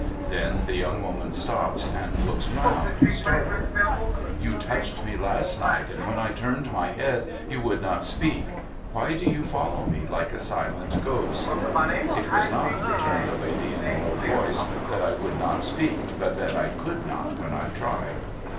Then the young woman stops and looks round, startled. ' You touched me last night, and, when I turned my head, you would not speak. Why do you follow me like a silent ghost ?'' It was not,' returned the lady, in a low voice, ' that I would not speak, but that I could not when I tried.'